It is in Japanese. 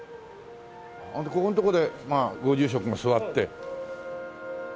ここのとこでご住職も座って。